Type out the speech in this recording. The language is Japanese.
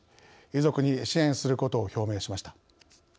遺族に支援することを表明しました。